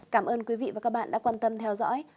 cảm ơn quý vị và các bạn đã quan tâm theo dõi